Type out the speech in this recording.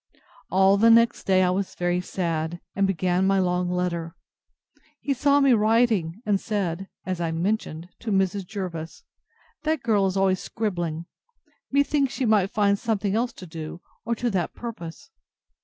All the next day I was very sad, and began my long letter. He saw me writing, and said (as I mentioned) to Mrs. Jervis, That girl is always scribbling; methinks she might find something else to do, or to that purpose.